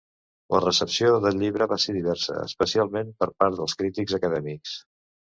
La recepció del llibre va ser diversa, especialment per part dels crítics acadèmics.